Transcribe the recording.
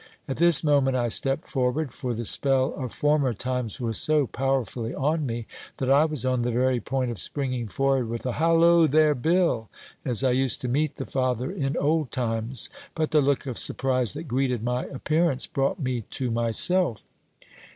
At this moment I stepped forward, for the spell of former times was so powerfully on me, that I was on the very point of springing forward with a "Halloo, there, Bill!" as I used to meet the father in old times; but the look of surprise that greeted my appearance brought me to myself.